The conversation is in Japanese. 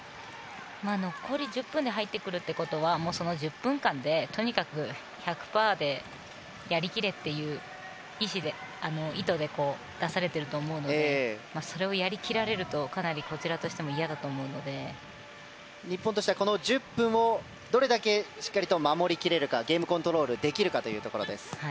残り１０分で入ってくるってことはその１０分間とにかく１００％でやり切れという意図で出されていると思うのでそれをやり切られるとかなりこちらとしても日本としてはこの１０分をどれだけしっかり守り切れるかゲームコントロールできるか。